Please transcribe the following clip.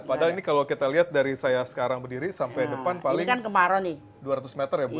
padahal ini kalau kita lihat dari saya sekarang berdiri sampai depan paling dua ratus meter ya bu ya